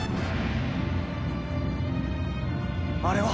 あれは！